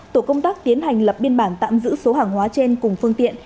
tổ công tác tiến hành lập biên bản tạm giữ số hàng hóa trên cùng phương tiện